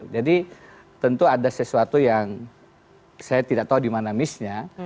jadi tentu ada sesuatu yang saya tidak tahu di mana missnya